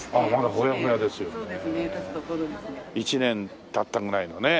１年経ったぐらいのね。